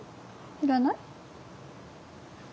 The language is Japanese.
要らない？